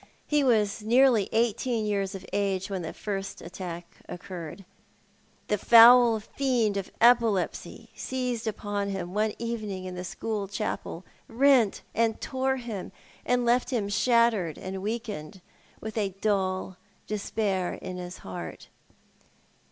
He was nearly eighteen years of age when the first attack occurred. The foul fiend of epilepsy seized upon him one evening in the school chapel, rent and tore him, and left him shattered and weakened, with a dull despair in his heart.